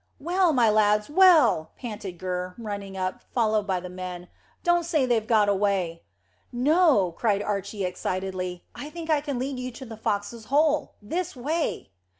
"Well, my lad, well!" panted Gurr, running up, followed by the men. "Don't say they've got away!" "No," cried Archy excitedly. "I think I can lead you to the foxes' hole. This way."